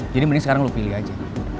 jadi mending sekarang lo pilih aja